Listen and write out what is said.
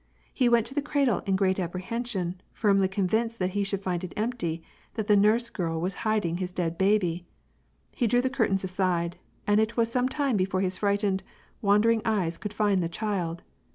He went to the cradle in great apprehension, firmly convinced that he should find it empty, that the nurse girl was hiding his dead baby ! He drew the curtains aside, and it was some time before his frightened, wandering eyes could find the child.